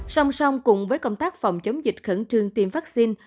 xong xong cùng với công tác phòng chống dịch khẩn trương tiêm vaccine